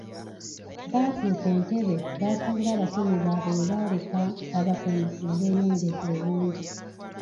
Baatuuka Entebbe baasanga abasomi baabwe be baaleka abatono nga beeyongedde obungi.